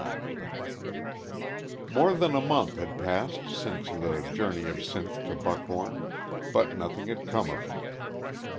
XXIX MORE than a month had passed since the journey of Sinth to Buck horn; but nothing had come of it.